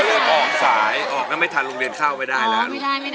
เริ่มออกสายออกแล้วไม่ทันโรงเรียนเข้าไม่ได้แล้ว